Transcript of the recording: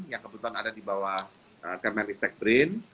yang kebetulan ada di bawah kriminalist tech brain